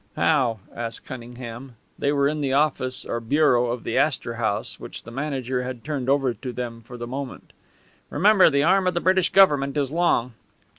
"How?" asked Cunningham. They were in the office, or bureau, of the Astor House, which the manager had turned over to them for the moment. "Remember, the arm of the British Government is long."